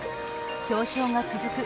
表彰が続く